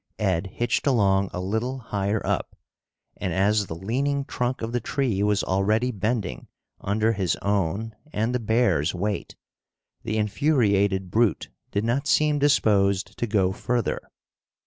Ed hitched along a little higher up, and as the leaning trunk of the tree was already bending under his own and the bear's weight, the infuriated brute did not seem disposed to go further.